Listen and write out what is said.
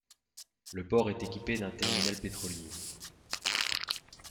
Le port est équipé d'un terminal pétrolier.